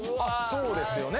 そうですよね